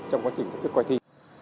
trong quá trình thực tế quay thi